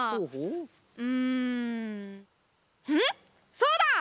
そうだ！